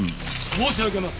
申し上げます！